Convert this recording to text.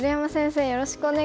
よろしくお願いします。